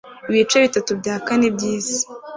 Ibice bitatu bya kane byisi